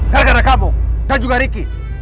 gak karena kamu dan juga ricky